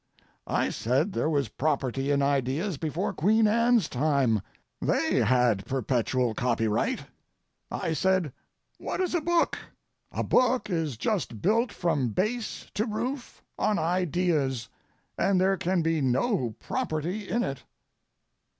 I said there was property in ideas before Queen Anne's time; they had perpetual copyright. He said, "What is a book? A book is just built from base to roof on ideas, and there can be no property in it."